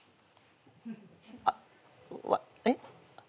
あっワえっ？